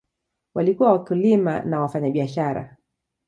Walikuwa wakulima na wafanyabiashara.